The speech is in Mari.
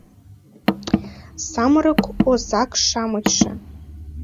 Самырык озак-шамычше